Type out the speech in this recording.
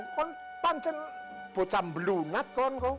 kan pancing bocah belunat kan